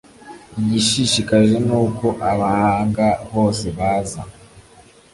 igishishikaje ni uko abahanga bose baza.